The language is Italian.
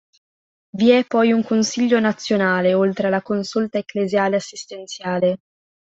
Vi è poi un Consiglio nazionale, oltre alla Consulta ecclesiale assistenziale.